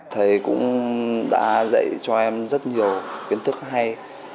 thầy cũng đã dạy cho em rất nhiều kiến thức hay